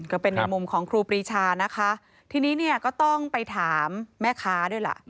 ก็เป็นในมุมของครูปรีชานะคะทีนี้เนี่ยก็ต้องไปถามแม่ค้าด้วยล่ะ